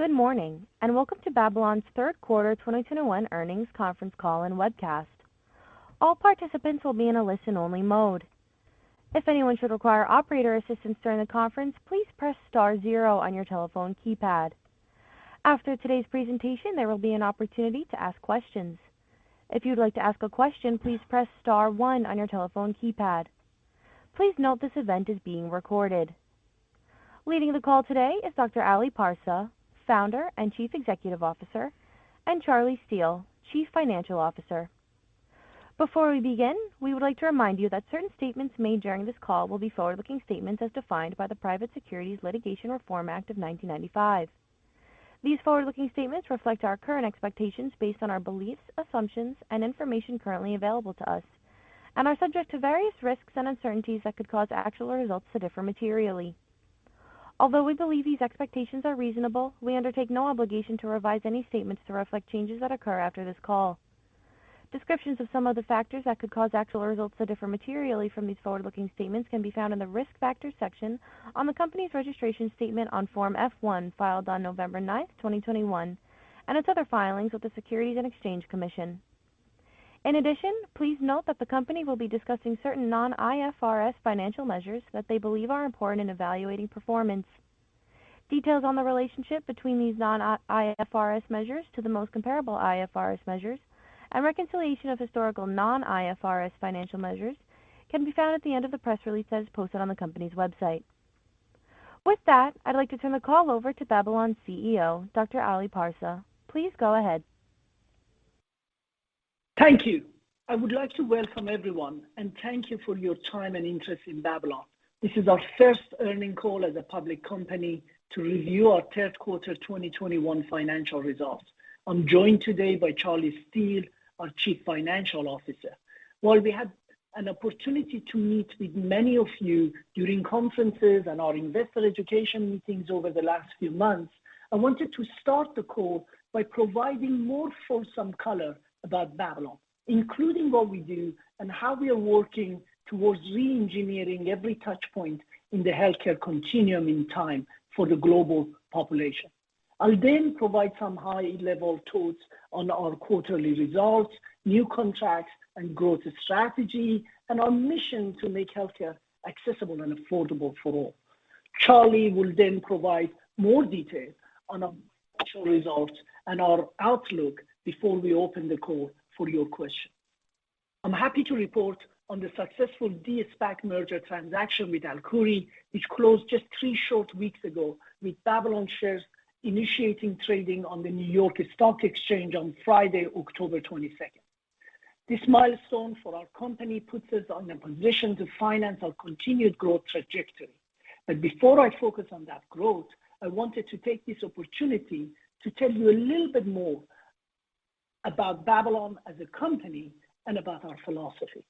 Good morning, and welcome to Babylon's third quarter 2021 earnings conference call and webcast. All participants will be in a listen-only mode. If anyone should require operator assistance during the conference, please press star zero on your telephone keypad. After today's presentation, there will be an opportunity to ask questions. If you'd like to ask a question, please press star one on your telephone keypad. Please note this event is being recorded. Leading the call today is Dr. Ali Parsa, Founder and Chief Executive Officer, and Charlie Steel, Chief Financial Officer. Before we begin, we would like to remind you that certain statements made during this call will be forward-looking statements as defined by the Private Securities Litigation Reform Act of 1995. These forward-looking statements reflect our current expectations based on our beliefs, assumptions, and information currently available to us and are subject to various risks and uncertainties that could cause actual results to differ materially. Although we believe these expectations are reasonable, we undertake no obligation to revise any statements to reflect changes that occur after this call. Descriptions of some of the factors that could cause actual results to differ materially from these forward-looking statements can be found in the Risk Factors section on the company's registration statement on Form F-1 filed on November 9th, 2021, and its other filings with the Securities and Exchange Commission. In addition, please note that the company will be discussing certain non-IFRS financial measures that they believe are important in evaluating performance. Details on the relationship between these non-IFRS measures to the most comparable IFRS measures and reconciliation of historical non-IFRS financial measures can be found at the end of the press release that is posted on the company's website. With that, I'd like to turn the call over to Babylon's CEO, Dr. Ali Parsa. Please go ahead. Thank you. I would like to welcome everyone and thank you for your time and interest in Babylon. This is our first earnings call as a public company to review our third quarter 2021 financial results. I'm joined today by Charlie Steel, our Chief Financial Officer. While we had an opportunity to meet with many of you during conferences and our investor education meetings over the last few months, I wanted to start the call by providing more fulsome color about Babylon, including what we do and how we are working towards reengineering every touch point in the healthcare continuum in time for the global population. I'll then provide some high-level thoughts on our quarterly results, new contracts, and growth strategy, and our mission to make healthcare accessible and affordable for all. Charlie will then provide more detail on our financial results and our outlook before we open the call for your questions. I'm happy to report on the successful de-SPAC merger transaction with Alkuri, which closed just three short weeks ago, with Babylon shares initiating trading on the New York Stock Exchange on Friday, October 22nd. This milestone for our company puts us in a position to finance our continued growth trajectory. Before I focus on that growth, I wanted to take this opportunity to tell you a little bit more about Babylon as a company and about our philosophy.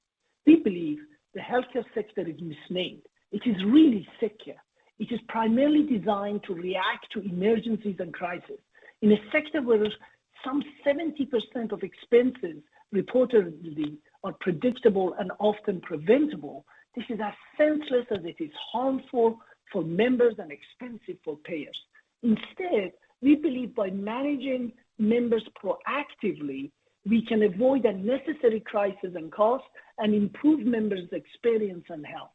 We believe the healthcare sector is misnamed. It is really sick care. It is primarily designed to react to emergencies and crises. In a sector where some 70% of expenses reportedly are predictable and often preventable, this is as senseless as it is harmful for members and expensive for payers. Instead, we believe by managing members proactively, we can avoid unnecessary crisis and costs and improve members' experience and health.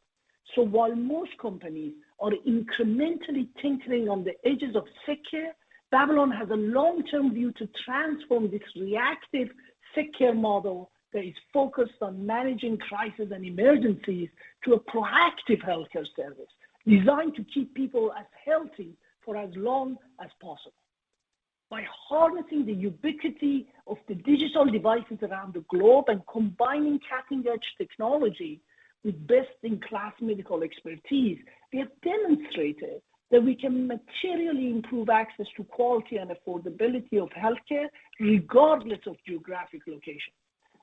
While most companies are incrementally tinkering on the edges of sick care, Babylon has a long-term view to transform this reactive sick care model that is focused on managing crisis and emergencies to a proactive healthcare service designed to keep people as healthy for as long as possible. By harnessing the ubiquity of the digital devices around the globe and combining cutting-edge technology with best-in-class medical expertise, we have demonstrated that we can materially improve access to quality and affordability of healthcare regardless of geographic location.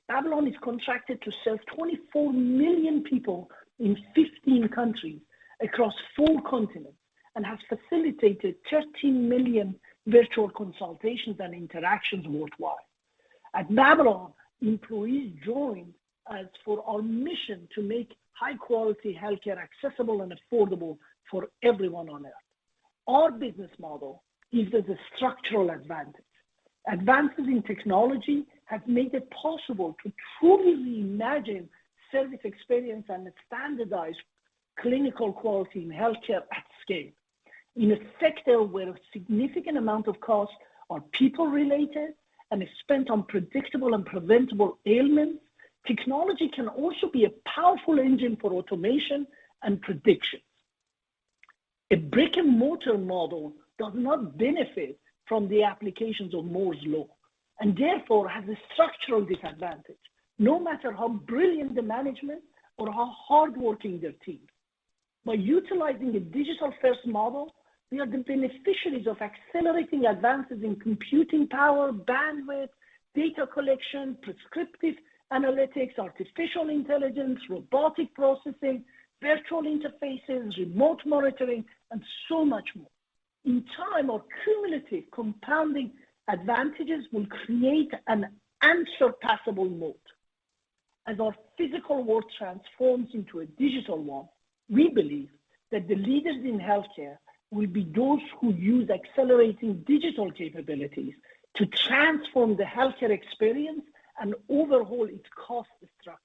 Babylon is contracted to serve 24 million people in 15 countries across four continents and has facilitated 13 million virtual consultations and interactions worldwide. At Babylon, employees join us for our mission to make high-quality healthcare accessible and affordable for everyone on Earth. Our business model gives us a structural advantage. Advances in technology have made it possible to truly reimagine service experience and standardize clinical quality in healthcare at scale. In a sector where a significant amount of costs are people-related and is spent on predictable and preventable ailments, technology can also be a powerful engine for automation and prediction. A brick-and-mortar model does not benefit from the applications of Moore's Law and therefore has a structural disadvantage, no matter how brilliant the management or how hardworking their team. By utilizing a digital-first model, we are the beneficiaries of accelerating advances in computing power, bandwidth, data collection, prescriptive analytics, artificial intelligence, robotic processing, virtual interfaces, remote monitoring, and so much more. In time, our cumulative compounding advantages will create an unsurpassable moat. As our physical world transforms into a digital one, we believe that the leaders in healthcare will be those who use accelerating digital capabilities to transform the healthcare experience and overhaul its cost structure.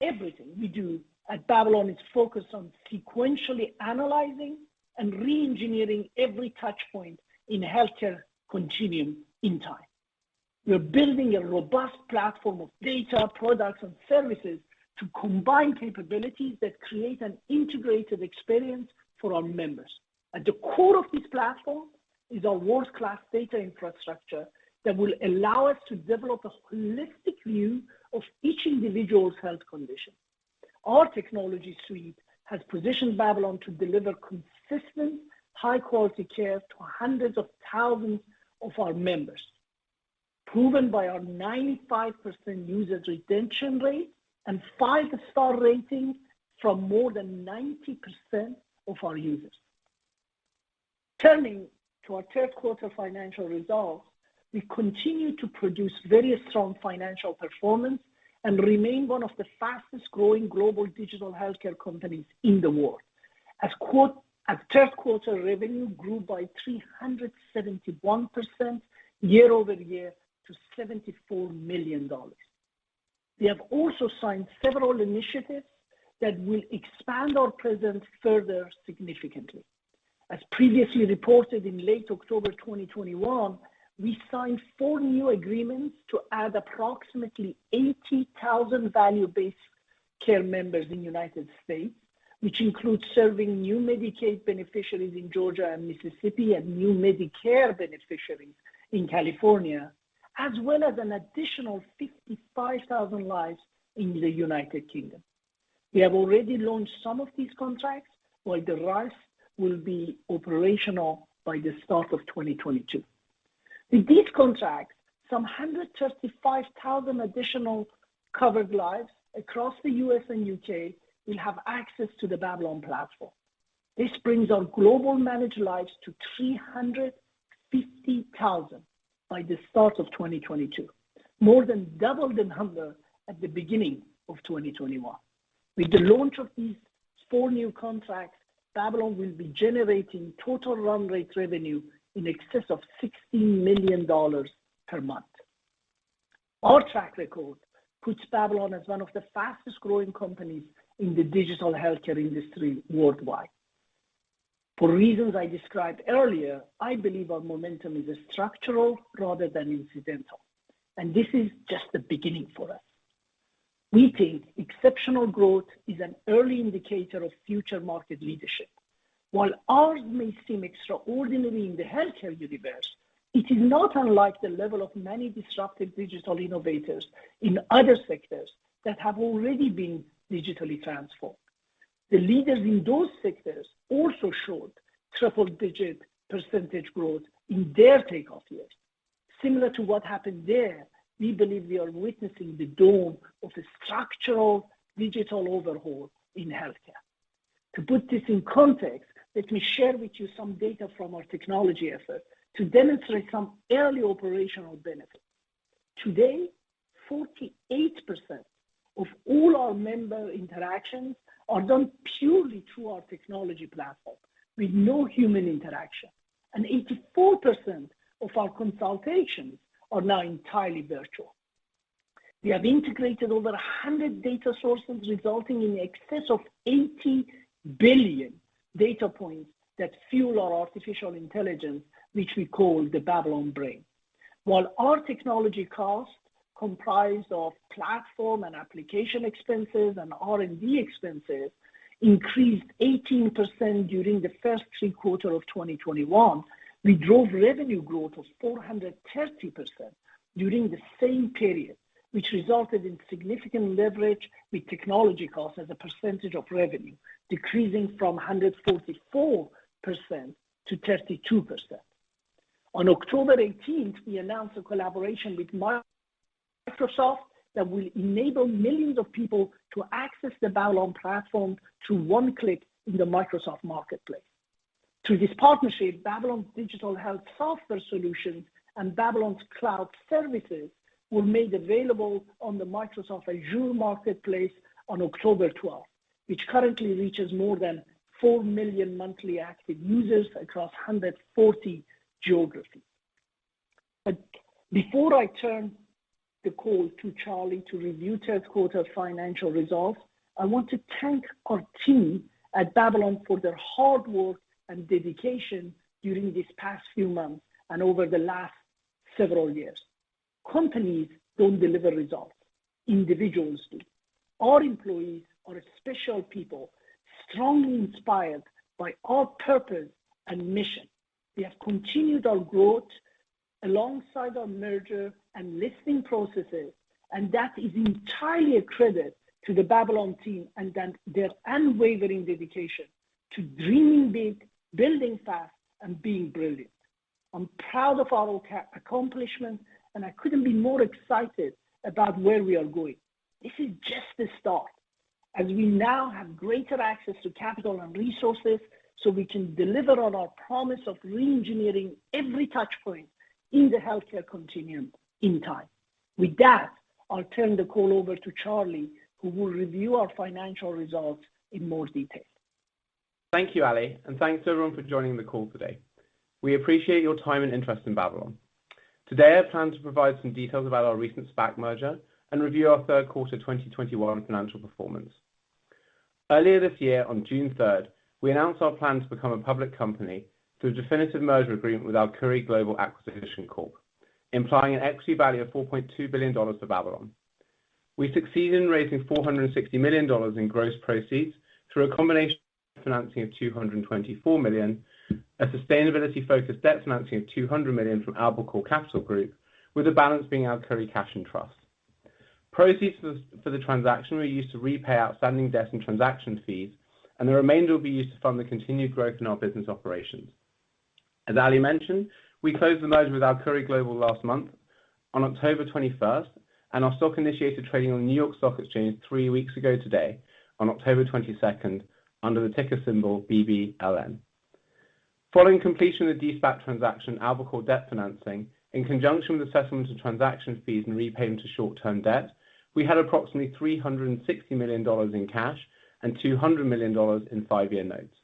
Everything we do at Babylon is focused on sequentially analyzing and re-engineering every touch point in the healthcare continuum in time. We're building a robust platform of data, products, and services to combine capabilities that create an integrated experience for our members. At the core of this platform is a world-class data infrastructure that will allow us to develop a holistic view of each individual's health condition. Our technology suite has positioned Babylon to deliver consistent, high-quality care to hundreds of thousands of our members, proven by our 95% user retention rate and five-star rating from more than 90% of our users. Turning to our third quarter financial results, we continue to produce very strong financial performance and remain one of the fastest-growing global digital healthcare companies in the world. As third quarter revenue grew by 371% year-over-year to $74 million. We have also signed several initiatives that will expand our presence further significantly. As previously reported in late October 2021, we signed four new agreements to add approximately 80,000 value-based care members in United States, which includes serving new Medicaid beneficiaries in Georgia and Mississippi and new Medicare beneficiaries in California, as well as an additional 55,000 lives in the United Kingdom. We have already launched some of these contracts, while the rest will be operational by the start of 2022. With these contracts, some 135,000 additional covered lives across the U.S. and U.K. will have access to the Babylon platform. This brings our global managed lives to 350,000 by the start of 2022, more than double the number at the beginning of 2021. With the launch of these four new contracts, Babylon will be generating total run rate revenue in excess of $60 million per month. Our track record puts Babylon as one of the fastest-growing companies in the digital healthcare industry worldwide. For reasons I described earlier, I believe our momentum is structural rather than incidental, and this is just the beginning for us. We think exceptional growth is an early indicator of future market leadership. While ours may seem extraordinary in the healthcare universe, it is not unlike the level of many disruptive digital innovators in other sectors that have already been digitally transformed. The leaders in those sectors also showed triple-digit percentage growth in their take-off years. Similar to what happened there, we believe we are witnessing the dawn of the structural digital overhaul in healthcare. To put this in context, let me share with you some data from our technology efforts to demonstrate some early operational benefits. Today, 48% of all our member interactions are done purely through our technology platform with no human interaction, and 84% of our consultations are now entirely virtual. We have integrated over 100 data sources, resulting in excess of 80 billion data points that fuel our artificial intelligence, which we call the Babylon Brain. While our technology costs, comprised of platform and application expenses and R&D expenses, increased 18% during the first three quarters of 2021, we drove revenue growth of 430% during the same period, which resulted in significant leverage with technology costs as a percentage of revenue, decreasing from 144% to 32%. On October 18, we announced a collaboration with Microsoft that will enable millions of people to access the Babylon platform through one click in the Microsoft Marketplace. Through this partnership, Babylon's digital health software solutions and Babylon Cloud Services were made available on the Microsoft Azure Marketplace on October 12, which currently reaches more than 4 million monthly active users across 140 geographies. Before I turn the call to Charlie to review third quarter financial results, I want to thank our team at Babylon for their hard work and dedication during these past few months and over the last several years. Companies don't deliver results. Individuals do. Our employees are special people, strongly inspired by our purpose and mission. We have continued our growth alongside our merger and listing processes, and that is entirely a credit to the Babylon team and then their unwavering dedication to dreaming big, building fast, and being brilliant. I'm proud of our accomplishment, and I couldn't be more excited about where we are going. This is just the start. As we now have greater access to capital and resources, so we can deliver on our promise of re-engineering every touch point in the healthcare continuum in time. With that, I'll turn the call over to Charlie, who will review our financial results in more detail. Thank you, Ali. Thanks everyone for joining the call today. We appreciate your time and interest in Babylon. Today, I plan to provide some details about our recent SPAC merger and review our third quarter 2021 financial performance. Earlier this year, on June 3rd, we announced our plan to become a public company through a definitive merger agreement with Alkuri Global Acquisition Corp., implying an equity value of $4.2 billion for Babylon. We succeeded in raising $460 million in gross proceeds through a combination of financing of $224 million, a sustainability-focused debt financing of $200 million from AlbaCore Capital Group, with the balance being Alkuri cash and trust. Proceeds for the transaction were used to repay outstanding debt and transaction fees, and the remainder will be used to fund the continued growth in our business operations. As Ali mentioned, we closed the merger with Alkuri Global last month on October 21st, and our stock initiated trading on the New York Stock Exchange three weeks ago today on October 22nd under the ticker symbol BBLN. Following completion of the de-SPAC transaction, AlbaCore debt financing, in conjunction with the settlement of transaction fees and repayment of short-term debt, we had approximately $360 million in cash and $200 million in five-year notes.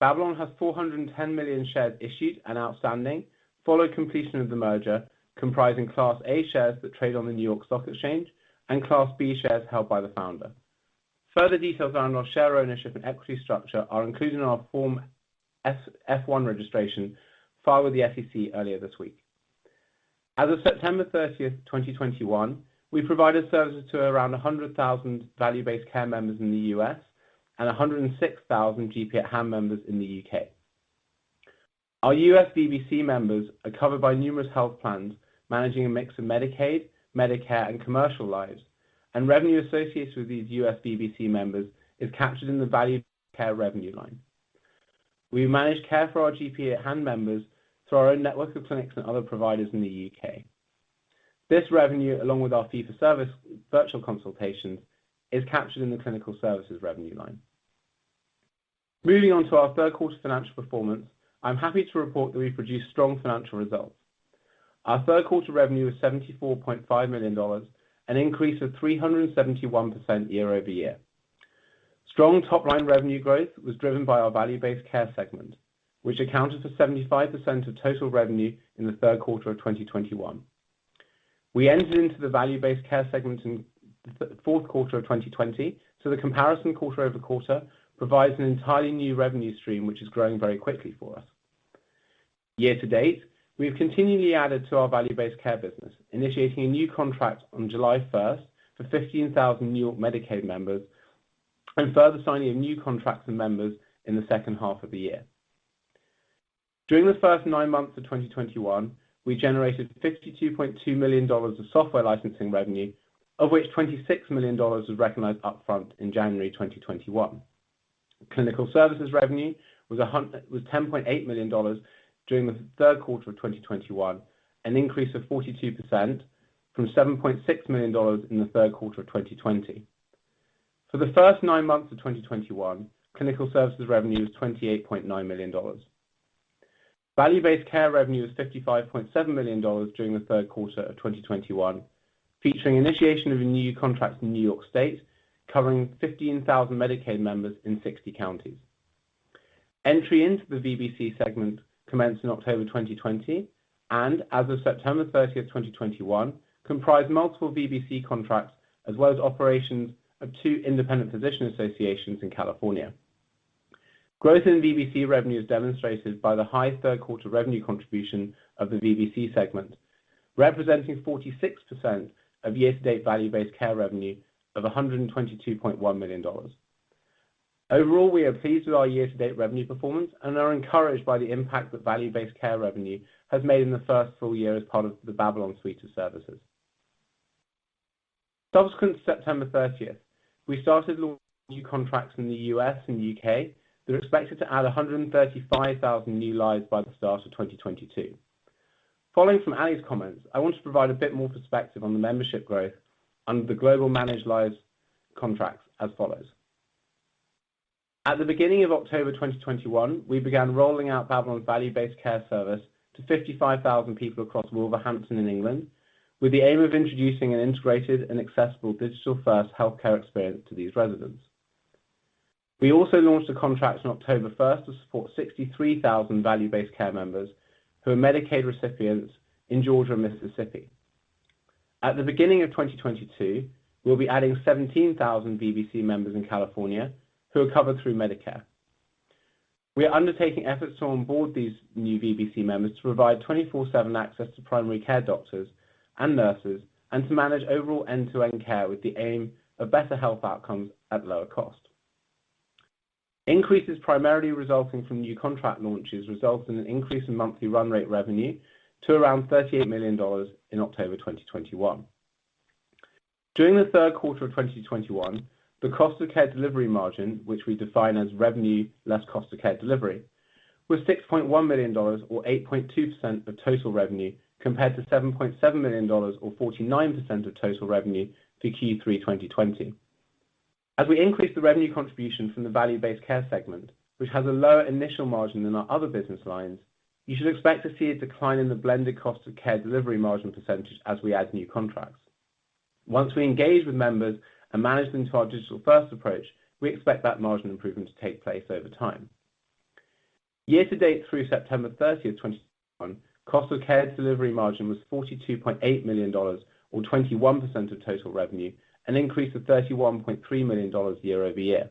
Babylon has 410 million shares issued and outstanding following completion of the merger, comprising Class A shares that trade on the New York Stock Exchange and Class B shares held by the founder. Further details around our share ownership and equity structure are included in our Form F-1 registration filed with the SEC earlier this week. As of September 30th, 2021, we provided services to around 100,000 value-based care members in the U.S. and 106,000 GP at Hand members in the U.K. Our U.S. VBC members are covered by numerous health plans, managing a mix of Medicaid, Medicare, and commercial lives, and revenue associated with these U.S. VBC members is captured in the value care revenue line. We manage care for our GP at Hand members through our own network of clinics and other providers in the U.K. This revenue, along with our fee for service virtual consultations, is captured in the clinical services revenue line. Moving on to our third quarter financial performance, I'm happy to report that we've produced strong financial results. Our third quarter revenue was $74.5 million, an increase of 371% year-over-year. Strong top-line revenue growth was driven by our value-based care segment, which accounted for 75% of total revenue in the third quarter of 2021. We entered into the value-based care segment in the fourth quarter of 2020, so the comparison quarter-over-quarter provides an entirely new revenue stream, which is growing very quickly for us. Year to date, we have continually added to our value-based care business, initiating a new contract on July 1st for 15,000 New York Medicaid members and further signing of new contracts and members in the second half of the year. During the first nine months of 2021, we generated $52.2 million of software licensing revenue, of which $26 million was recognized upfront in January 2021. Clinical services revenue was $10.8 million during the third quarter of 2021, an increase of 42% from $7.6 million in the third quarter of 2020. For the first nine months of 2021, clinical services revenue was $28.9 million. Value-based care revenue was $55.7 million during the third quarter of 2021, featuring initiation of renewed contracts in New York State covering 15,000 Medicaid members in 60 counties. Entry into the VBC segment commenced in October 2020 and as of September 30th, 2021, comprised multiple VBC contracts as well as operations of two independent physician associations in California. Growth in VBC revenue is demonstrated by the high third quarter revenue contribution of the VBC segment, representing 46% of year-to-date value-based care revenue of $122.1 million. Overall, we are pleased with our year-to-date revenue performance and are encouraged by the impact that value-based care revenue has made in the first full year as part of the Babylon suite of services. Subsequent to September 30th, we started launching new contracts in the U.S. and U.K. that are expected to add 135,000 new lives by the start of 2022. Following from Ali's comments, I want to provide a bit more perspective on the membership growth under the global managed lives contracts as follows. At the beginning of October 2021, we began rolling out Babylon's value-based care service to 55,000 people across Wolverhampton in England, with the aim of introducing an integrated and accessible digital-first healthcare experience to these residents. We also launched a contract on October 1 to support 63,000 value-based care members who are Medicaid recipients in Georgia and Mississippi. At the beginning of 2022, we'll be adding 17,000 VBC members in California who are covered through Medicare. We are undertaking efforts to onboard these new VBC members to provide 24/7 access to primary care doctors and nurses, and to manage overall end-to-end care with the aim of better health outcomes at lower cost. Increases primarily resulting from new contract launches result in an increase in monthly run rate revenue to around $38 million in October 2021. During the third quarter of 2021, the Cost of Care Delivery Margin, which we define as revenue less cost of care delivery was $6.1 million or 8.2% of total revenue compared to $7.7 million or 49% of total revenue for Q3 2020. As we increase the revenue contribution from the value-based care segment, which has a lower initial margin than our other business lines, you should expect to see a decline in the blended cost of care delivery margin percentage as we add new contracts. Once we engage with members and manage them to our digital-first approach, we expect that margin improvement to take place over time. Year to date through September 30, 2021, Cost of Care Delivery Margin was $42.8 million or 21% of total revenue, an increase of $31.3 million year-over-year.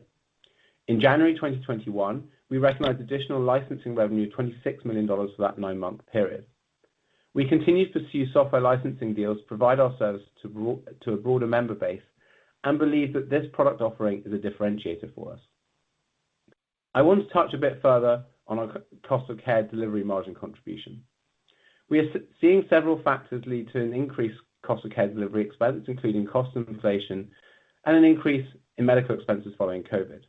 In January 2021, we recognized additional licensing revenue, $26 million for that nine-month period. We continue to pursue software licensing deals to provide our services to a broader member base and believe that this product offering is a differentiator for us. I want to touch a bit further on our Cost of Care Delivery Margin contribution. We are seeing several factors lead to an increased cost of care delivery expense, including cost inflation and an increase in medical expenses following COVID.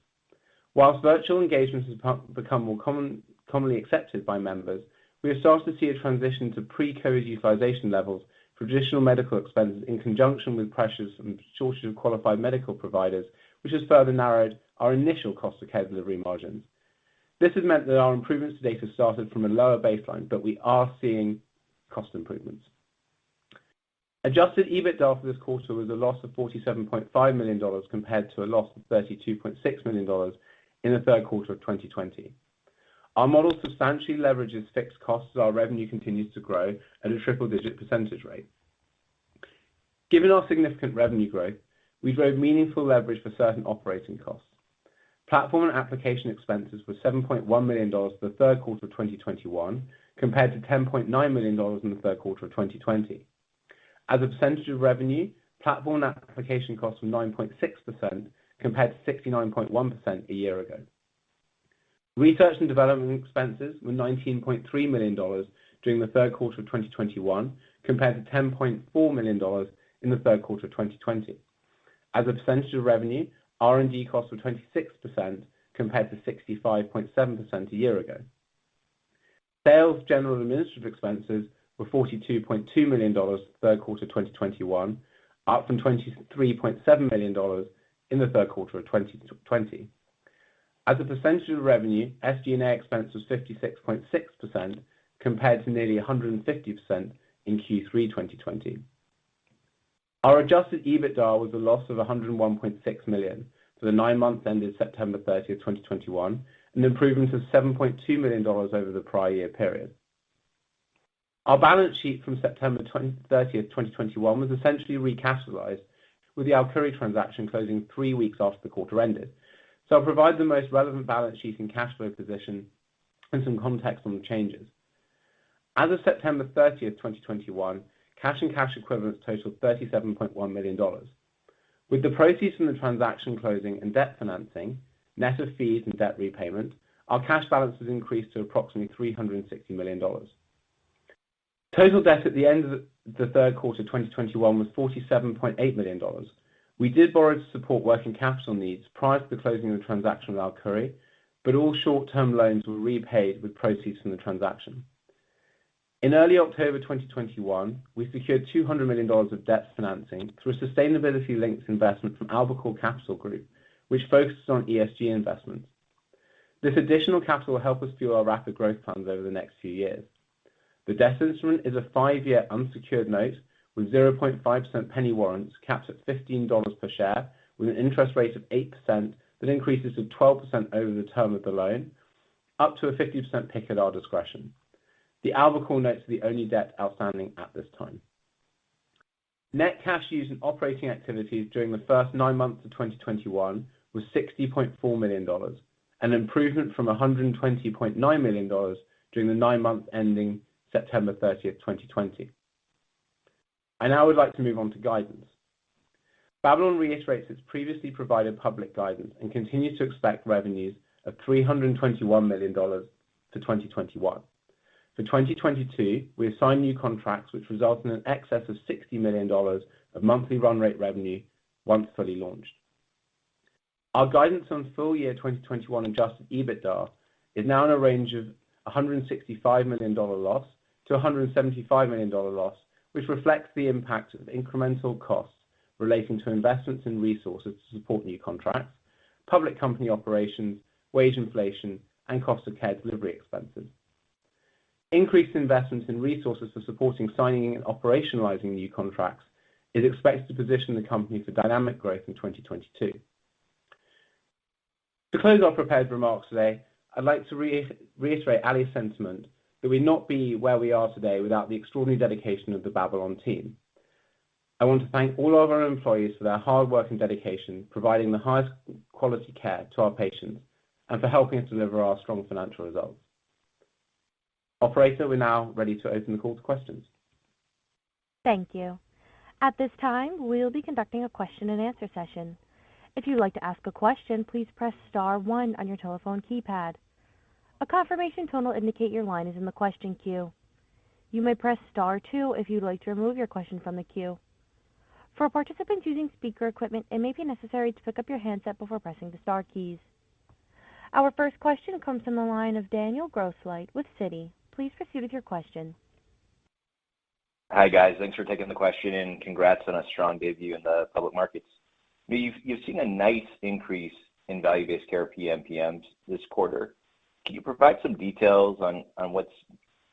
While virtual engagements have become more common, commonly accepted by members, we have started to see a transition to pre-COVID utilization levels for traditional medical expenses in conjunction with pressures from shortage of qualified medical providers, which has further narrowed our initial Cost of Care Delivery Margins. This has meant that our improvements to date have started from a lower baseline, but we are seeing cost improvements. Adjusted EBITDA for this quarter was a loss of $47.5 million compared to a loss of $32.6 million in the third quarter of 2020. Our model substantially leverages fixed costs as our revenue continues to grow at a triple-digit percentage rate. Given our significant revenue growth, we drove meaningful leverage for certain operating costs. Platform and application expenses were $7.1 million for the third quarter of 2021 compared to $10.9 million in the third quarter of 2020. As a percentage of revenue, platform and application costs were 9.6% compared to 69.1% a year ago. Research and development expenses were $19.3 million during the third quarter of 2021 compared to $10.4 million in the third quarter of 2020. As a percentage of revenue, R&D costs were 26% compared to 65.7% a year ago. Sales, general, and administrative expenses were $42.2 million in the third quarter of 2021, up from $23.7 million in the third quarter of 2020. As a percentage of revenue, SG&A expense was 56.6% compared to nearly 150% in Q3 2020. Our adjusted EBITDA was a loss of $101.6 million for the nine months ended September 30, 2021, an improvement of $7.2 million over the prior year period. Our balance sheet from September 30, 2021 was essentially recapitalized with the Alkuri transaction closing three weeks after the quarter ended. I'll provide the most relevant balance sheet and cash flow position and some context on the changes. As of September 30, 2021, cash and cash equivalents totaled $37.1 million. With the proceeds from the transaction closing and debt financing, net of fees and debt repayment, our cash balances increased to approximately $360 million. Total debt at the end of the third quarter 2021 was $47.8 million. We did borrow to support working capital needs prior to the closing of the transaction with Alkuri, but all short-term loans were repaid with proceeds from the transaction. In early October 2021, we secured $200 million of debt financing through a sustainability-linked investment from AlbaCore Capital Group, which focuses on ESG investments. This additional capital will help us fuel our rapid growth plans over the next few years. The debt instrument is a five-year unsecured note with 0.5% penny warrants capped at $15 per share with an interest rate of 8% that increases to 12% over the term of the loan, up to a 50% PIK at our discretion. The AlbaCore notes are the only debt outstanding at this time. Net cash used in operating activities during the first nine months of 2021 was $60.4 million, an improvement from $120.9 million during the nine months ending September 30, 2020. I now would like to move on to guidance. Babylon reiterates its previously provided public guidance and continues to expect revenues of $321 million for 2021. For 2022, we have signed new contracts which result in an excess of $60 million of monthly run rate revenue once fully launched. Our guidance on full year 2021 adjusted EBITDA is now in a range of $165 million-$175 million loss, which reflects the impact of incremental costs relating to investments in resources to support new contracts, public company operations, wage inflation, and cost of care delivery expenses. Increased investments in resources for supporting signing and operationalizing new contracts is expected to position the company for dynamic growth in 2022. To close our prepared remarks today, I'd like to reiterate Ali's sentiment that we'd not be where we are today without the extraordinary dedication of the Babylon team. I want to thank all of our employees for their hard work and dedication, providing the highest quality care to our patients and for helping us deliver our strong financial results. Operator, we're now ready to open the call to questions. Thank you. At this time, we'll be conducting a question and answer session. If you'd like to ask a question, please press star one on your telephone keypad. A confirmation tone will indicate your line is in the question queue. You may press star two if you'd like to remove your question from the queue. For participants using speaker equipment, it may be necessary to pick up your handset before pressing the star keys. Our first question comes from the line of Daniel Grosslight with Citi. Please proceed with your question. Hi, guys. Thanks for taking the question, and congrats on a strong debut in the public markets. You've seen a nice increase in value-based care PMPM this quarter. Can you provide some details on what's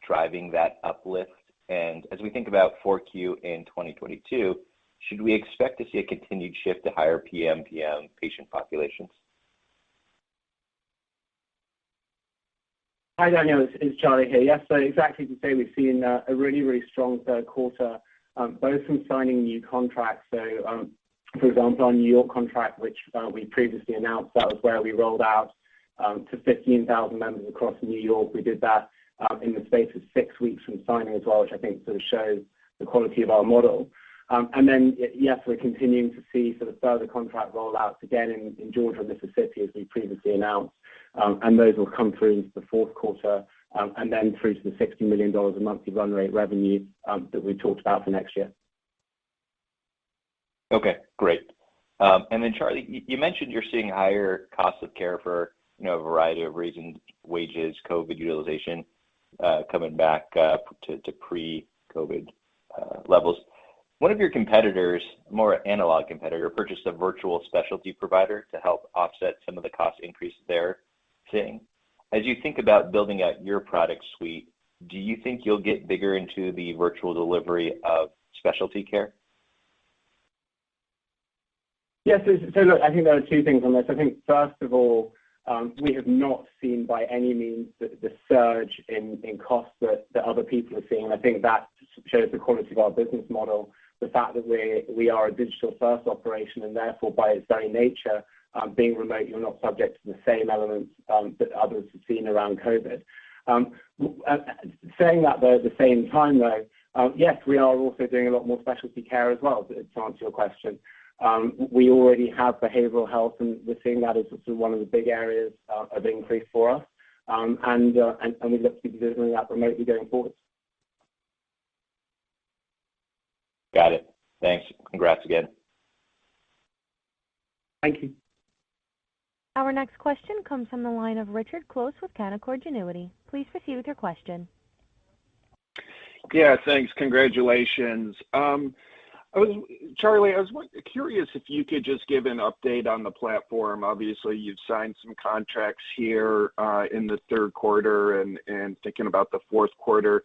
driving that uplift? As we think about Q4 in 2022, should we expect to see a continued shift to higher PMPM patient populations? Hi, Daniel. It's Charlie here. Yes. Exactly the same. We've seen a really strong third quarter both from signing new contracts. For example, on New York contract, which we previously announced, that was where we rolled out to 15,000 members across New York. We did that in the space of six weeks from signing as well, which I think sort of shows the quality of our model. Yes, we're continuing to see sort of further contract rollouts again in Georgia and Mississippi, as we previously announced. Those will come through into the fourth quarter and then through to the $60 million in monthly run rate revenue that we talked about for next year. Okay, great. Charlie, you mentioned you're seeing higher costs of care for, you know, a variety of reasons, wages, COVID utilization, coming back to pre-COVID levels. One of your competitors, more analog competitor, purchased a virtual specialty provider to help offset some of the cost increases they're seeing. As you think about building out your product suite, do you think you'll get bigger into the virtual delivery of specialty care? Yes. Look, I think there are two things on this. I think first of all, we have not seen by any means the surge in costs that other people are seeing. I think that shows the quality of our business model, the fact that we are a digital-first operation, and therefore by its very nature, being remote, you're not subject to the same elements that others have seen around COVID. Saying that though at the same time though, yes, we are also doing a lot more specialty care as well, to answer your question. We already have behavioral health, and we're seeing that as sort of one of the big areas of increase for us. And we look to be delivering that remotely going forward. Got it. Thanks. Congrats again. Thank you. Our next question comes from the line of Richard Close with Canaccord Genuity. Please proceed with your question. Yeah, thanks. Congratulations. Charlie, I was curious if you could just give an update on the platform. Obviously, you've signed some contracts here in the third quarter and thinking about the fourth quarter.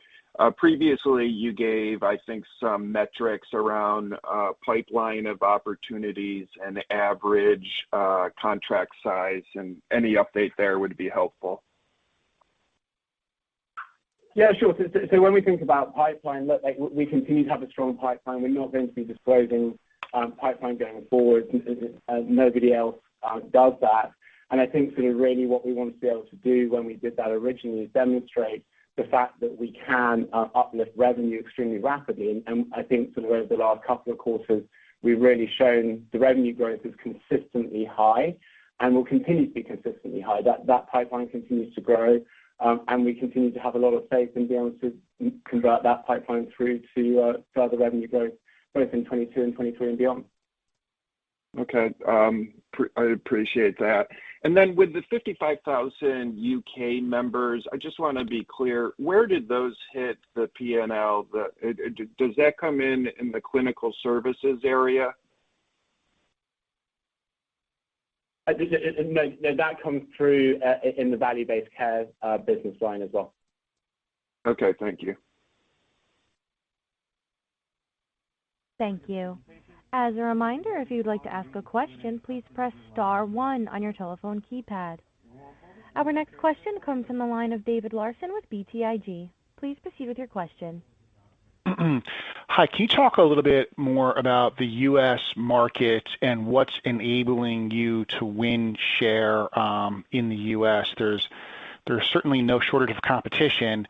Previously you gave, I think, some metrics around pipeline of opportunities and average contract size, and any update there would be helpful. Yeah, sure. When we think about pipeline, it looks like we continue to have a strong pipeline. We are not going to be disclosing pipeline going forward as nobody else does that. I think sort of really what we wanted to be able to do when we did that originally is demonstrate the fact that we can uplift revenue extremely rapidly. I think sort of over the last couple of quarters, we have really shown the revenue growth is consistently high and will continue to be consistently high. That pipeline continues to grow, and we continue to have a lot of faith in being able to convert that pipeline through to other revenue growth both in 2022 and 2023 and beyond. Okay. I appreciate that. With the 55,000 U.K. members, I just wanna be clear, where did those hit the P&L? Does that come in the clinical services area? No. That comes through in the value-based care business line as well. Okay. Thank you. Thank you. As a reminder, if you'd like to ask a question, please press star one on your telephone keypad. Our next question comes from the line of David Larsen with BTIG. Please proceed with your question. Hi. Can you talk a little bit more about the U.S. market and what's enabling you to win share in the U.S.? There's certainly no shortage of competition.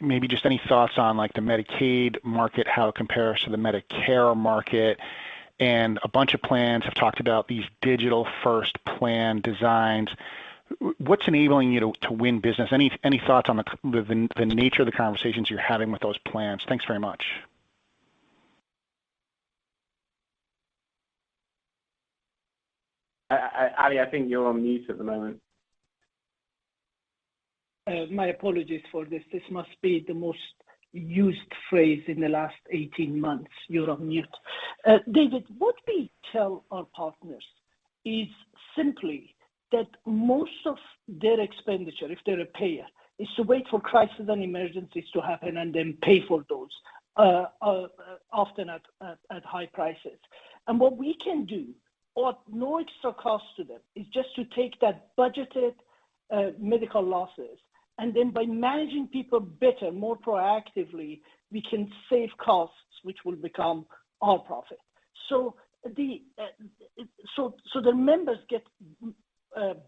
Maybe just any thoughts on like the Medicaid market, how it compares to the Medicare market. A bunch of plans have talked about these digital first plan designs. What's enabling you to win business? Any thoughts on the nature of the conversations you're having with those plans? Thanks very much. Ali, I think you're on mute at the moment. My apologies for this. This must be the most used phrase in the last 18 months, "You're on mute." David, what we tell our partners is simply that most of their expenditure, if they're a payer, is to wait for crisis and emergencies to happen and then pay for those, often at high prices. What we can do at no extra cost to them is just to take that budgeted medical losses, and then by managing people better, more proactively, we can save costs, which will become our profit. The members get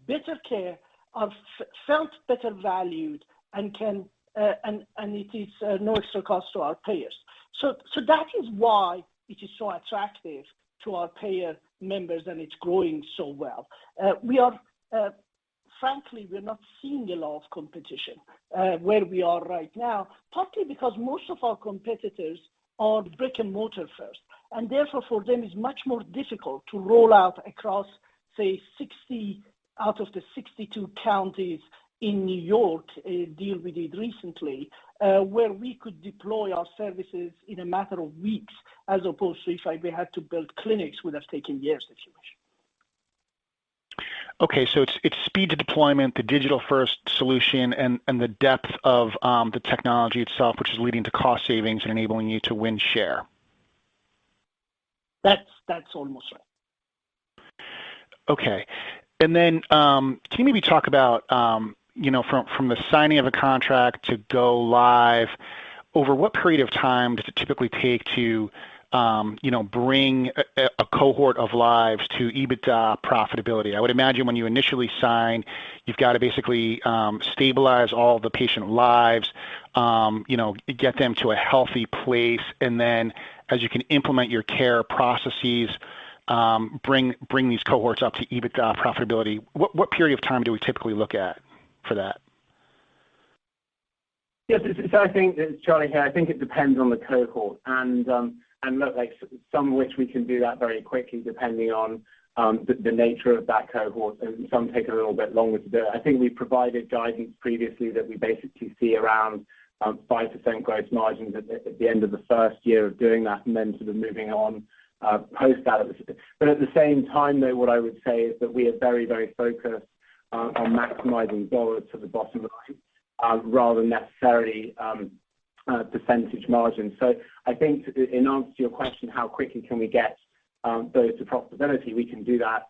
better care, are felt better valued and it is no extra cost to our payers. That is why it is so attractive to our payer members, and it's growing so well. Frankly, we're not seeing a lot of competition where we are right now, partly because most of our competitors are brick-and-mortar first, and therefore for them it's much more difficult to roll out across, say, 60 out of the 62 counties in New York, a deal we did recently, where we could deploy our services in a matter of weeks as opposed to we had to build clinics would have taken years, if you wish. Okay. It's speed to deployment, the digital-first solution and the depth of the technology itself, which is leading to cost savings and enabling you to win share. That's almost right. Okay. Can you maybe talk about, you know, from the signing of a contract to go live, over what period of time does it typically take to, you know, bring a cohort of lives to EBITDA profitability? I would imagine when you initially sign, you've got to basically stabilize all the patient lives, you know, get them to a healthy place and then as you can implement your care processes, bring these cohorts up to EBITDA profitability. What period of time do we typically look at for that? Yes. I think, it's Charlie here. I think it depends on the cohort and look like some which we can do that very quickly depending on the nature of that cohort, and some take a little bit longer to do it. I think we provided guidance previously that we basically see around 5% gross margins at the end of the first year of doing that and then sort of moving on post that. At the same time, though, what I would say is that we are very, very focused on maximizing dollars to the bottom line rather than necessarily percentage margins. I think in answer to your question, how quickly can we get those to profitability, we can do that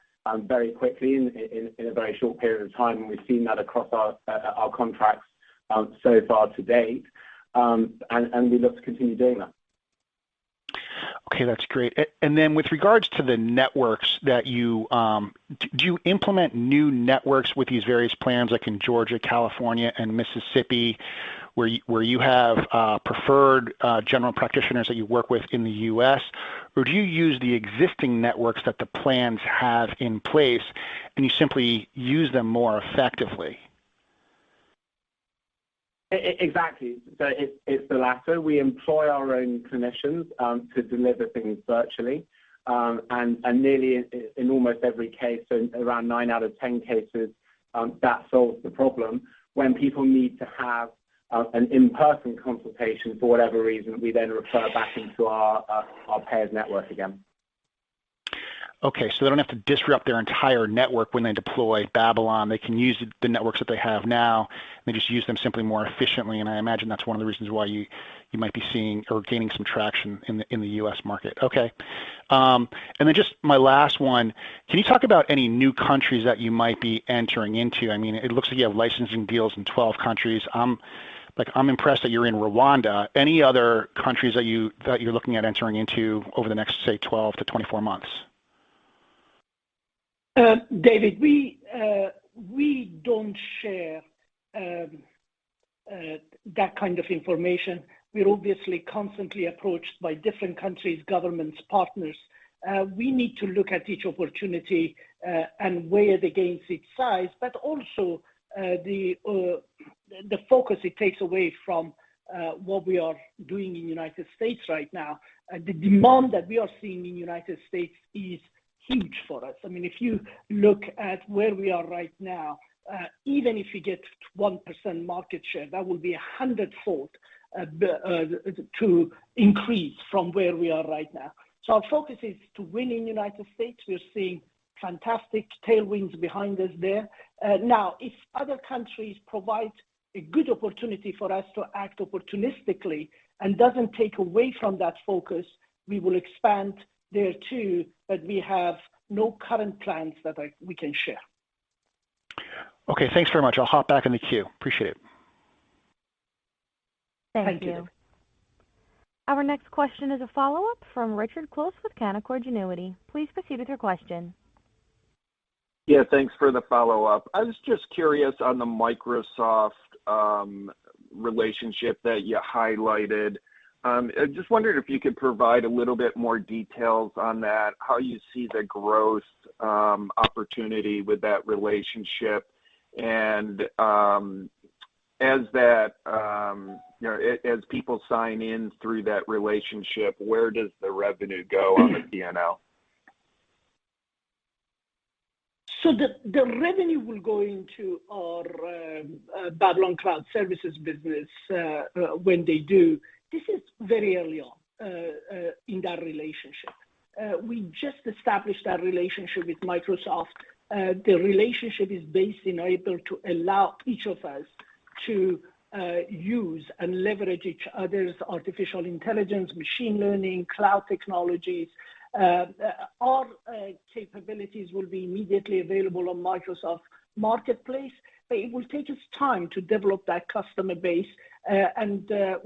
very quickly in a very short period of time, and we've seen that across our contracts so far to date. We look to continue doing that. Okay, that's great. With regards to the networks, do you implement new networks with these various plans like in Georgia, California and Mississippi where you have preferred general practitioners that you work with in the U.S. or do you use the existing networks that the plans have in place and you simply use them more effectively? Exactly. It's the latter. We employ our own clinicians to deliver things virtually and nearly, in almost every case, so around nine out of ten cases that solves the problem. When people need to have an in-person consultation for whatever reason, we then refer back into our payer's network again. Okay. They don't have to disrupt their entire network when they deploy Babylon. They can use the networks that they have now. They just use them simply more efficiently, and I imagine that's one of the reasons why you might be seeing or gaining some traction in the U.S. market. Okay. Just my last one, can you talk about any new countries that you might be entering into? I mean, it looks like you have licensing deals in 12 countries. I'm like, I'm impressed that you're in Rwanda. Any other countries that you're looking at entering into over the next, say, 12-24 months? David, we don't share that kind of information. We're obviously constantly approached by different countries, governments, partners. We need to look at each opportunity and weigh it against its size, but also the focus it takes away from what we are doing in United States right now. The demand that we are seeing in United States is huge for us. I mean, if you look at where we are right now, even if we get 1% market share, that would be a hundredfold to increase from where we are right now. Our focus is to win in United States. We're seeing fantastic tailwinds behind us there. Now, if other countries provide a good opportunity for us to act opportunistically and doesn't take away from that focus, we will expand there too. We have no current plans that we can share. Okay, thanks very much. I'll hop back in the queue. Appreciate it. Thank you. Thank you. Our next question is a follow-up from Richard Close with Canaccord Genuity. Please proceed with your question. Yeah, thanks for the follow-up. I was just curious on the Microsoft relationship that you highlighted. I just wondered if you could provide a little bit more details on that, how you see the growth opportunity with that relationship. As that, you know, as people sign in through that relationship, where does the revenue go on the P&L? The revenue will go into our Babylon Cloud Services business when they do. This is very early on in that relationship. We just established our relationship with Microsoft. The relationship is based on our ability to allow each of us to use and leverage each other's artificial intelligence, machine learning, cloud technologies. Our capabilities will be immediately available on Microsoft Marketplace, but it will take us time to develop that customer base.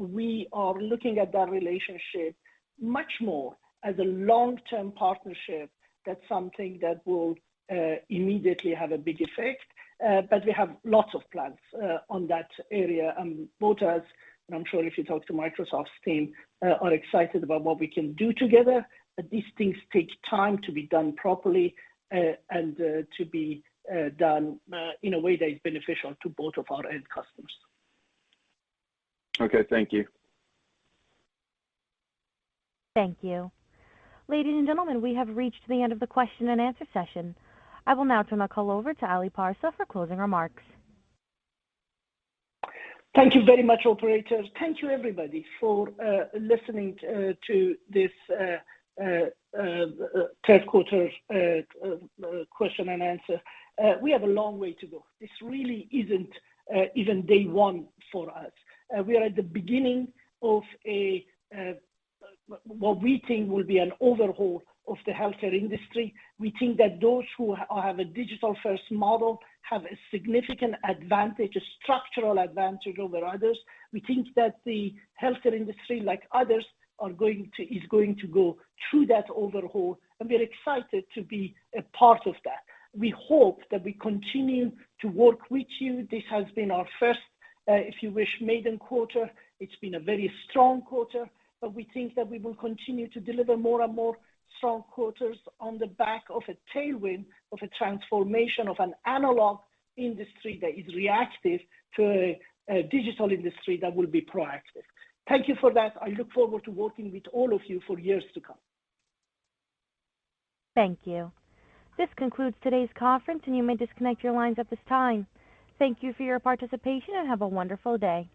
We are looking at that relationship much more as a long-term partnership than something that will immediately have a big effect. We have lots of plans in that area. Both of us, and I'm sure if you talk to Microsoft's team, are excited about what we can do together. These things take time to be done properly and in a way that is beneficial to both of our end customers. Okay. Thank you. Thank you. Ladies and gentlemen, we have reached the end of the question and answer session. I will now turn the call over to Ali Parsa for closing remarks. Thank you very much, operator. Thank you, everybody, for listening to this third quarter question and answer. We have a long way to go. This really isn't day one for us. We are at the beginning of a what we think will be an overhaul of the healthcare industry. We think that those who have a digital-first model have a significant advantage, a structural advantage over others. We think that the healthcare industry, like others, is going to go through that overhaul, and we're excited to be a part of that. We hope that we continue to work with you. This has been our first, if you wish, maiden quarter. It's been a very strong quarter, but we think that we will continue to deliver more and more strong quarters on the back of a tailwind of a transformation of an analog industry that is reactive to a digital industry that will be proactive. Thank you for that. I look forward to working with all of you for years to come. Thank you. This concludes today's conference, and you may disconnect your lines at this time. Thank you for your participation, and have a wonderful day.